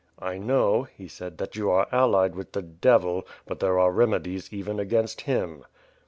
"I know," he said, "that you are allied with the Devil, but there are remedies even against him."